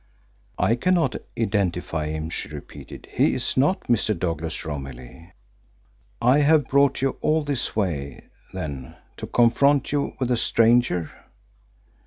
"I cannot identify him," she repeated. "He is not Mr. Douglas Romilly." "I have brought you all this way, then, to confront you with a stranger?"